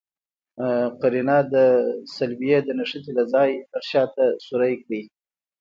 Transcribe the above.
قرنیه د صلبیې د نښتې له ځای لږ شاته سورۍ کړئ.